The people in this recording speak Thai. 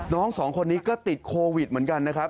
น้องสองคนนี้ก็ติดโควิดเหมือนกัน